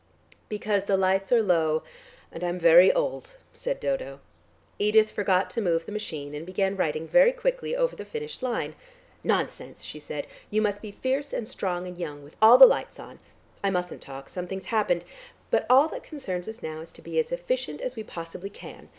"Because the lights are low and I'm very old," said Dodo. Edith forgot to move the machine, and began writing very quickly over the finished line. "Nonsense!" she said. "You must be fierce and strong and young with all the lights on. I mustn't talk. Something's happened. But all that concerns us now is to be as efficient as we possibly can.